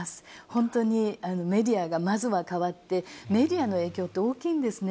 本当にメディアがまずは変わって、メディアの影響って大きいんですね。